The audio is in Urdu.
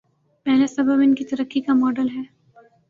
پہلا سبب ان کا ترقی کاماڈل ہے۔